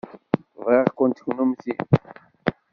Bɣiɣ-kent kennemti.